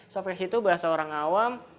soft itu bahasa orang awam